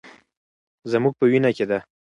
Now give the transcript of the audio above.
زموږ په وینه کې ده.